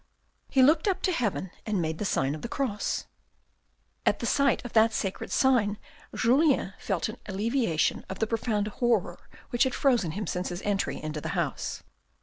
He looked up to heaven and made the sign of the cross. At the sight of that sacred sign Julien felt an alleviation of the profound horror which had frozen him since his entry into the house.